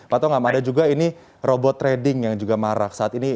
pak tongam ada juga ini robot trading yang juga marak saat ini